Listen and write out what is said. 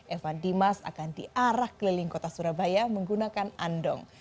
evan dimas akan diarah keliling kota surabaya menggunakan andong